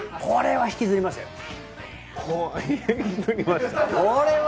これは引きずりました。